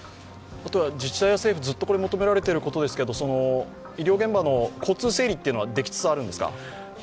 自治体や政府、ずっと求められていることですけど医療現場の交通整理はできつつあるんですか？